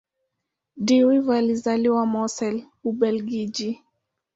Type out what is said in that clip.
De Wever alizaliwa Mortsel, Ubelgiji.